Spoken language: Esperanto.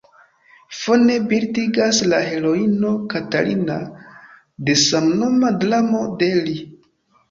Fone bildigas la heroino "Katarina" de samnoma dramo de li.